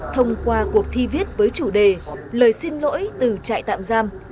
thông qua cuộc thi viết với chủ đề lời xin lỗi từ trại tạm giam